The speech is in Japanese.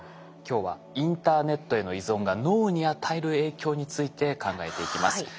今日はインターネットへの依存が脳に与える影響について考えていきます。